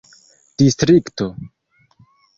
distrikto